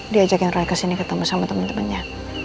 diajakin roy kesini ketemu sama temen temennya